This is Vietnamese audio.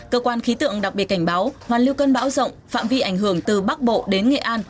cơ quan khí tượng đặc biệt cảnh báo hoàn lưu cơn bão rộng phạm vi ảnh hưởng từ bắc bộ đến nghệ an